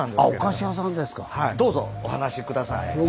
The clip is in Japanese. どうぞお話し下さい。